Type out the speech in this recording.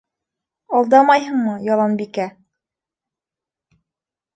Алдамайһыңмы, Яланбикә?..